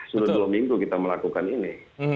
sudah dua minggu kita melakukan ini